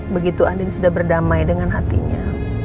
begitu andin sudah berdamai dengan hatinya